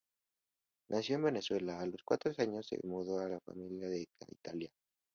Nació en Venezuela, a los cuatro años se mudó con su familia a Italia.